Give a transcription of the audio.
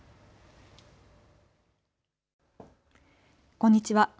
こんにちは。